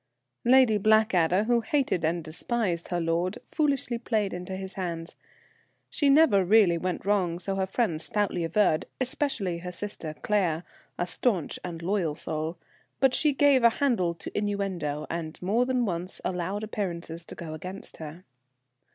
Lady Blackadder, who hated and despised her lord, foolishly played into his hands. She never really went wrong, so her friends stoutly averred, especially her sister Claire, a staunch and loyal soul, but she gave a handle to innuendo, and more than once allowed appearances to go against her.